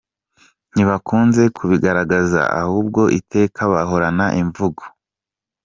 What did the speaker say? ntibakunze kubigaragaraza, ahubwo iteka bahorana imvugo